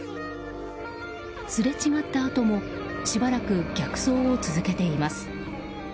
すれ違ったあともしばらく逆走を続けています。